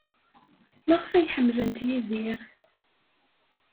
Maɣef ay ḥemmlent Yidir?